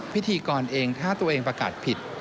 พิธีกรเองถ้าตัวเองประกาศผิด